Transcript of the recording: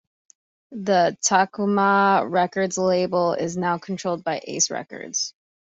The Takoma Records label is now controlled by Ace Records.